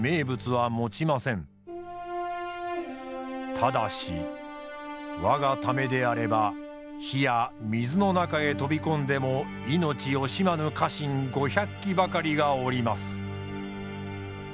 ただし我がためであれば火や水の中へ飛び込んでも命おしまぬ家臣５００騎ばかりがおります。